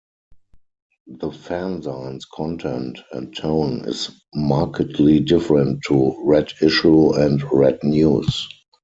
The fanzine's content and tone is markedly different to "Red Issue" and "Red News".